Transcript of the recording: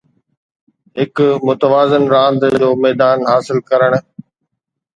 هڪ متوازن راند جو ميدان حاصل ڪرڻ